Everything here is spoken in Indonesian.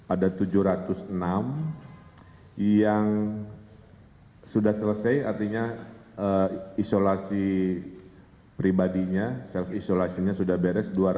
ada tujuh ratus enam yang sudah selesai artinya isolasi pribadinya self isolasinya sudah berakhir